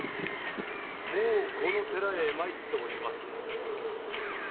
もうこの寺へ参っておりますのでな。